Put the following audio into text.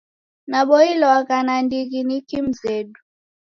Naboilwagha nandighi ni kimzedu.